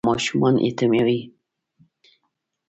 جګړه ماشومان یتیموي